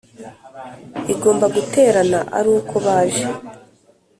Igomba guterana ari uko baje